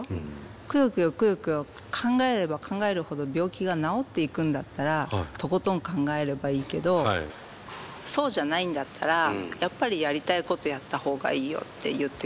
くよくよくよくよ考えれば考えるほど病気が治っていくんだったらとことん考えればいいけどそうじゃないんだったらやっぱりやりたいことやった方がいいよって言ってくれたんで。